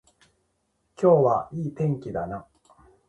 今日はいい天気だな